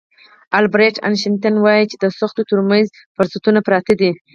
البرټ انشټاين وايي چې د سختیو ترمنځ فرصتونه پراته دي.